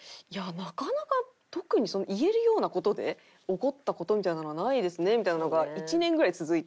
なかなか特に言えるような事で怒った事みたいなのがないですねみたいなのが１年ぐらい続いて。